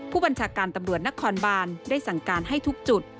ผู้บัญชาการตำรวจนครบานได้สั่งการให้ทุกจุด